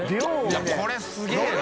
いこれすげぇな！